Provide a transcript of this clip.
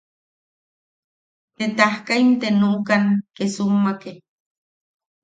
Te tajkaim te nuʼukan Kesummake.